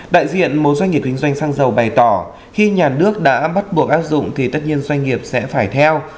đại diện một doanh nghiệp kinh doanh xăng dầu bày tỏ khi nhà nước đã bắt buộc áp dụng thì tất nhiên doanh nghiệp sẽ phải theo